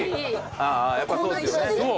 やっぱそうですよね。